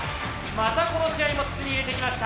またこの試合も筒に入れてきました。